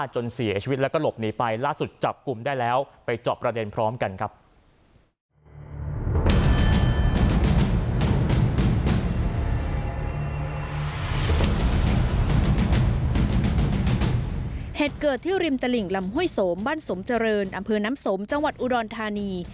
เหตุเกิดที่ริมตลิ่งลำห้วยโสมบ้านสมเจริญอำเภอน้ำสมจังหวัดอุดรธานี